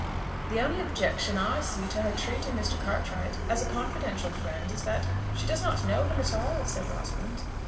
"The only objection I see to her treating Mr. Cartwright as a confidential friend is, that she does not know him at all," said Rosalind.